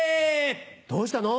どうしたの？